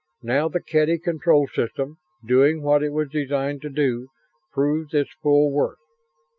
Now the Kedy control system, doing what it was designed to do, proved its full worth.